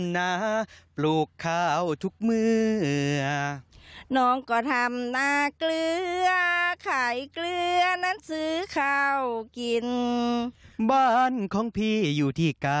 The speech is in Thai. อยู่พิมพ์อยู่อุดรธานี